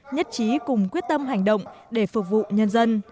nhất trí cùng quyết tâm hành động để phục vụ nhân dân